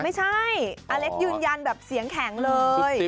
ไม่ใช่อเล็กยืนยันแบบเสียงแข็งเลย